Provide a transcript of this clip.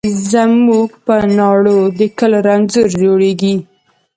زموږ په ناړو د کلو رنځور جوړیږي